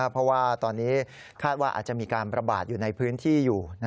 เพราะว่าตอนนี้คาดว่าอาจจะมีการประบาดอยู่ในพื้นที่อยู่